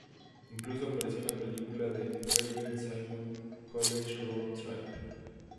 Incluso apareció en la película de Raven-Symone, "College Road Trip".